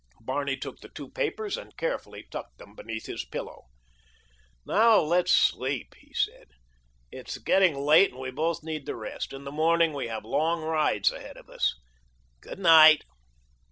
Barney took the two papers and carefully tucked them beneath his pillow. "Now let's sleep," he said. "It is getting late and we both need the rest. In the morning we have long rides ahead of us. Good night."